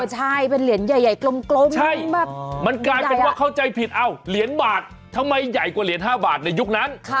ใช่เป็นเหรียญใหญ่กลมมันกลายเป็นว่าเข้าใจผิดเอ้าเหรียญบาททำไมใหญ่กว่าเหรียญ๕บาทในยุคนั้น